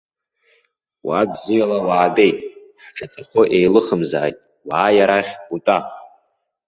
Уа бзиала уаабеит, ҳҿаҵахәы еилыхымзааит, уааи арахь, утәа!